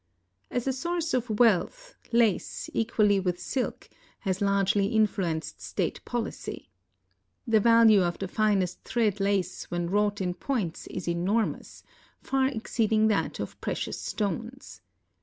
As a source of wealth, lace, equally with silk, has largely influenced state policy. The value of the finest thread lace when wrought in points is enormous, far exceeding that of precious stones.